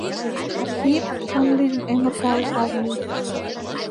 — Архи-ип!.. — чон лӱдын эҥыралтыш Алвий.